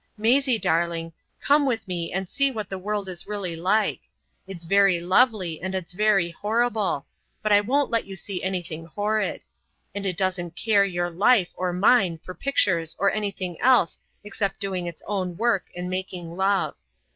Maisie, darling, come with me and see what the world is really like. It's very lovely, and it's very horrible,—but I won't let you see anything horrid,—and it doesn't care your life or mine for pictures or anything else except doing its own work and making love.